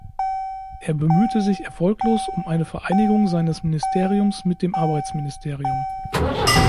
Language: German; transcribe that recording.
Er bemühte sich erfolglos um eine Vereinigung seines Ministeriums mit dem Arbeitsministerium.